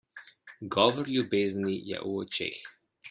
Govor ljubezni je v očeh.